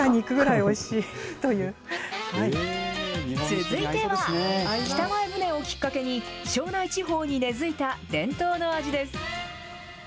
続いては、北前船をきっかけに、庄内地方に根づいた伝統の味です。